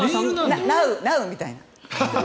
ナウみたいな。